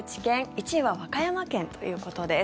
１位は和歌山県ということです。